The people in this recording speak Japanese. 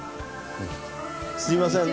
すいません